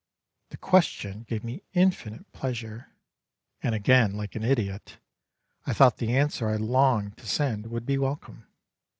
The question gave me infinite pleasure, and, again like an idiot, I thought the answer I longed to send would be welcome.